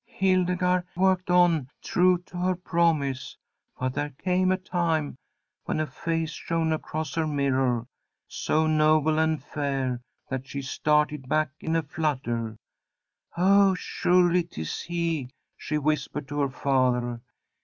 "Hildegarde worked on, true to her promise, but there came a time when a face shone across her mirror, so noble and fair that she started back in a flutter. 'Oh, surely, 'tis he!' she whispered to her father.